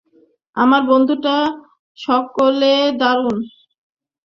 আমার বন্ধুরা সকলে দারুণ।